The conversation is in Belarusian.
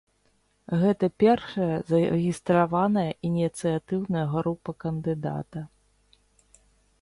Гэта першая зарэгістраваная ініцыятыўная група кандыдата.